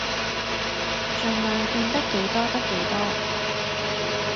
儘量勸得幾多得幾多